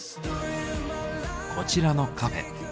こちらのカフェ。